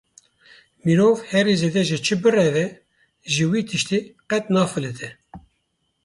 Mirov herî zêde ji çi bireve, ji wî tiştî qet nafilite.